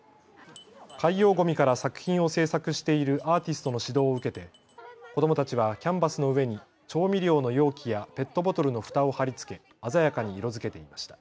海洋ごみから作品を制作しているアーティストの指導を受けて子どもたちはキャンバスの上に調味料の容器やペットボトルのふたを貼り付け鮮やかに色づけていました。